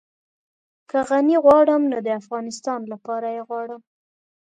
که غني غواړم نو د افغانستان لپاره يې غواړم.